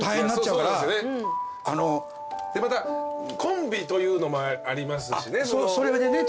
またコンビというのもありますしね。